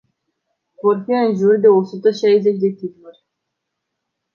Vor fi în jur de o sută șaizeci de titluri.